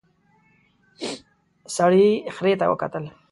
سړي خرې ته وکتل.